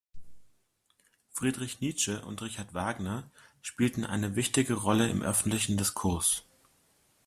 Friedrich Nietzsche und Richard Wagner spielten eine wichtige Rolle im öffentlichen Diskurs.